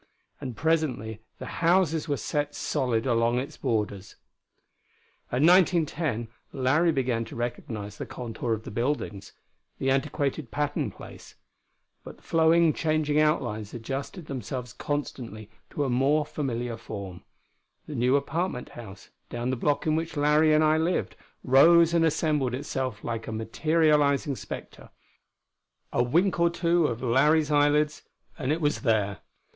And presently the houses were set solid along its borders. At 1910 Larry began to recognize the contour of the buildings: The antiquated Patton Place. But the flowing changing outlines adjusted themselves constantly to a more familiar form. The new apartment house, down the block in which Larry and I lived, rose and assembled itself like a materializing spectre. A wink or two of Larry's eyelids and it was there.